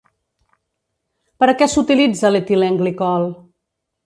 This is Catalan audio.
Per a què s'utilitza l'etilenglicol?